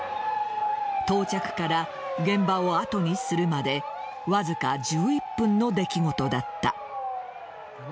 到着から現場を後にするまでわずか１１分の出来事だった。